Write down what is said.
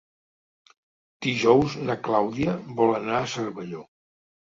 Dijous na Clàudia vol anar a Cervelló.